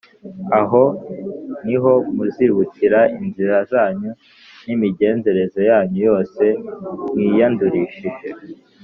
Aho ni ho muzibukira inzira zanyu a n imigenzereze yanyu yose mwiyandurishije